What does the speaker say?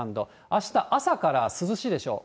あした、朝から涼しいでしょう。